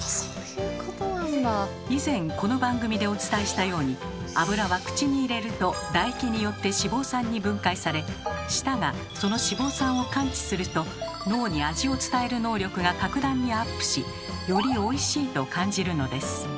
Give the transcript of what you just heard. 以前この番組でお伝えしたように脂は口に入れると唾液によって脂肪酸に分解され舌がその脂肪酸を感知すると脳に味を伝える能力が格段にアップしより「おいしい」と感じるのです。